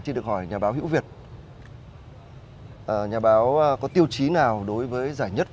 xin được hỏi nhà báo hữu việt nhà báo có tiêu chí nào đối với giải nhất